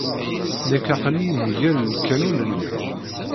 Nekk aql-iyi mgal lqanun-nni.